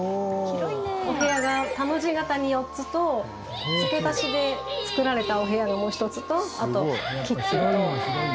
お部屋が田の字形に４つと付け足しで造られたお部屋がもう一つとあとキッチンと。